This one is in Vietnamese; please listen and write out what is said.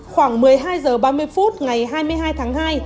khoảng một mươi hai h ba mươi phút ngày hai mươi hai tháng hai